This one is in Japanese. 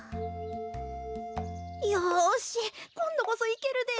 よしこんどこそいけるで。